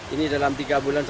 ini dalam tiga bulan